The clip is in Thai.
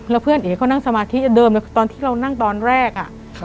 แล้วเพื่อนเอ๋ก็นั่งสมาธิเดิมเลยตอนที่เรานั่งตอนแรก